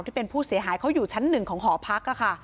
ที่เป็นผู้เสียหายเขาอยู่ชั้นหนึ่งของหอพักค่ะ